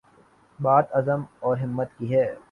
بات عزم اور ہمت کی ہے۔